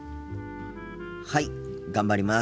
はい頑張ります！